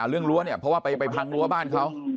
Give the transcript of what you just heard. เอาเรื่องรั้วเนี่ยเพราะว่าไปพังรั้วบ้านเขา